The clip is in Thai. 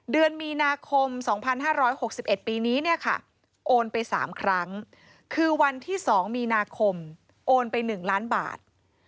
เดือนมีนาคม๒๕๖๑ปีนี้เนี่ยค่ะโอนไป๓ครั้งคือวันที่๒มีนาคมโอนไป๑ล้านบาท